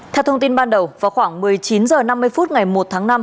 theo thông tin ban đầu vào khoảng một mươi chín h năm mươi phút ngày một tháng năm